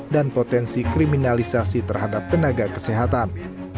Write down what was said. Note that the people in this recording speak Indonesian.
dan potensi kriminalisasi terhadap tenaga kesehatan